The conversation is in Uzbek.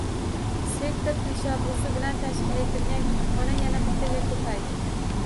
Sektor tashabbusi bilan tashkil etilgan kutubxona yana bittaga ko‘paydi